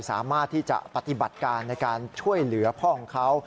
สามารถที่จะปฏิบัติการในการช่วยเหลือพ่อของเขา